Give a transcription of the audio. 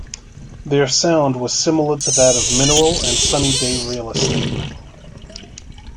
Their sound was similar to that of Mineral and Sunny Day Real Estate.